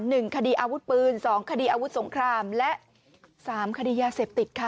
หนึ่งคดีอาวุธปืนสองคดีอาวุธสงครามและสามคดียาเสพติดค่ะ